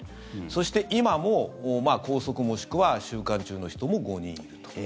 そして、今も拘束もしくは収監中の人も５人いる。